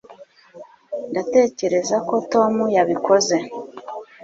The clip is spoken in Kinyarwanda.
ndatekereza ko tom yabikoze